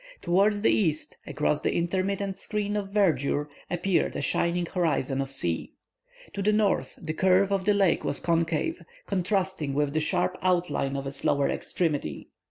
Towards the east, across the intermittent screen of verdure, appeared a shining horizon of sea. To the north the curve of the lake was concave, contrasting with the sharp outline of its lower extremity.